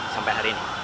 sampai hari ini